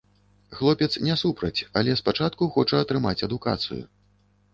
Хлопец не супраць, але спачатку хоча атрымаць адукацыю.